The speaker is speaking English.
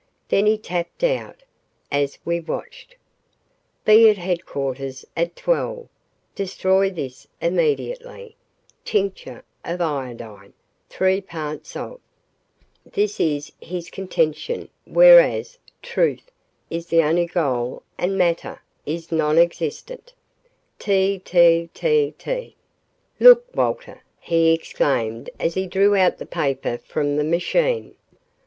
Then he tapped out, as we watched: BE AT HEADQUARTERS AT 12. DESTROY THIS IMMEDIATELY TINCTURE OF IODINE THREE PARTS OF This is his contention: whereas TRUTH is the only goal and MATTER is non existent T T T T "Look, Walter," he exclaimed as he drew out the paper from the machine.